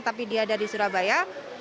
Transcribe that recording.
tapi dia dari surabaya